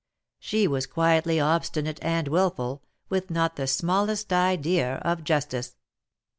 She was quietly obstinate and wilful, with not the smallest idea of justice.